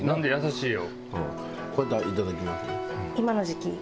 これいただきます。